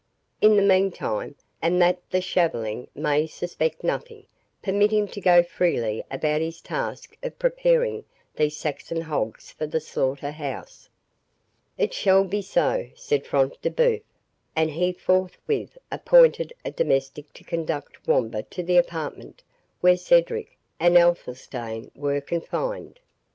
In the meantime, and that the shaveling may suspect nothing, permit him to go freely about his task of preparing these Saxon hogs for the slaughter house." "It shall be so," said Front de Bœuf. And he forthwith appointed a domestic to conduct Wamba to the apartment where Cedric and Athelstane were confined.